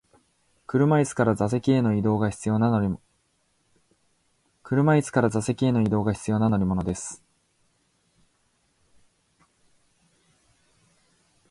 車椅子から座席への移動が必要な乗り物です。